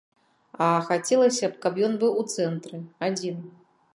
А хацелася б, каб ён быў у цэнтры, адзін.